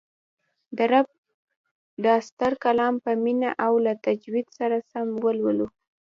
د رب دا ستر کلام په مینه او له تجوید سره سم ولولو